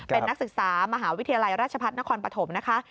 เป็นนักศึกษามหาวิทยาลัยราชพัฒนครปฐมนะคะ